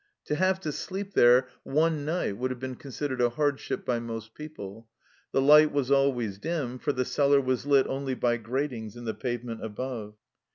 To have to sleep there one night would have been con sidered a hardship by most people. The light was always dim, for the cellar was lit only by gratings in the pavement above.